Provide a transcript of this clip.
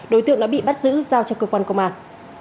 đối tượng đã bị bắt giữ giao cho cơ quan công an